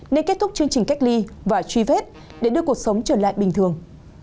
nên kết thúc chương trình cách ly và truy vết để đưa cuộc sống trở lại bình thường